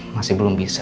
masih belum bisa